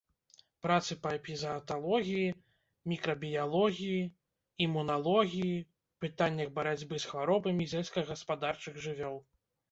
Працы па эпізааталогіі, мікрабіялогіі, імуналогіі, пытаннях барацьбы з хваробамі сельскагаспадарчых жывёл.